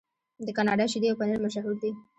د کاناډا شیدې او پنیر مشهور دي.